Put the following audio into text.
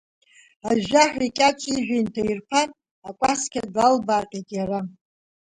Ажәжәаҳәа икьаҿ ижәҩа инҭаирԥан, акәасқьа даалбааҟьеит иара.